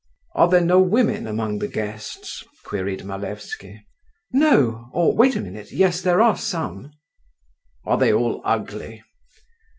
"Are there no women among the guests?" queried Malevsky. "No—or wait a minute—yes, there are some." "Are they all ugly?"